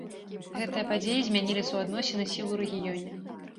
Гэтыя падзеі змянілі суадносіны сіл у рэгіёне.